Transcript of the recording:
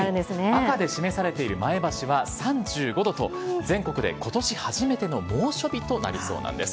赤で示されている前橋は３５度と、全国でことし初めての猛暑日となりそうなんです。